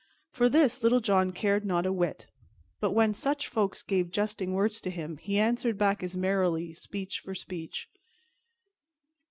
For this Little John cared not a whit, but when such folks gave jesting words to him he answered back as merrily, speech for speech.